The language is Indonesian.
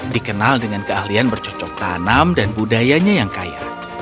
dikenal dengan keahlian bercocok tanam dan budayanya yang kaya